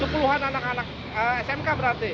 sepuluhan anak anak smk berarti